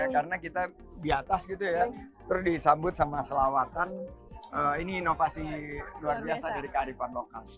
karena kita di atas gitu ya terus disambut sama selawatan ini inovasi luar biasa dari kearifan lokal